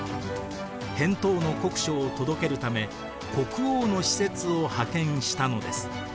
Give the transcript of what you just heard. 返答の国書を届けるため国王の使節を派遣したのです。